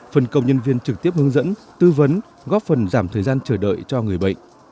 phần công nhân viên trực tiếp hướng dẫn tư vấn góp phần giảm thời gian chờ đợi cho người bệnh